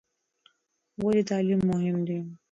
ولې تعلیم مهم دی؟